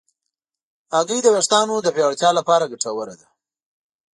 هګۍ د ویښتانو د پیاوړتیا لپاره ګټوره ده.